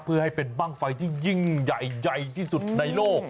เพื่อให้เป็นบ้างไฟที่ยิ่งใหญ่ใหญ่ที่สุดในโลก